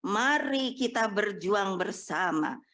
mari kita berjuang bersama